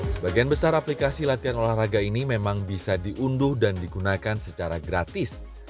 sebagian besar aplikasi latihan olahraga ini memang bisa diunduh dan digunakan secara gratis